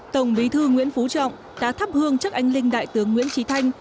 tổng bí thư nguyễn phú trọng đã thắp hương chắc anh linh đại tướng nguyễn trí thanh